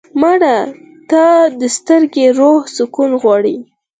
مړه ته د ستړي روح سکون غواړو